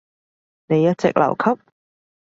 你一直留級？